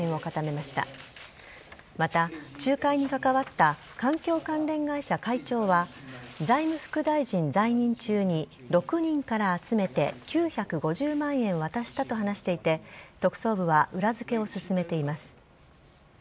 また、仲介に関わった環境関連会社会長は財務副大臣在任中に６人から集めて９５０万円渡したと話していて特捜部は裏付けを進めています。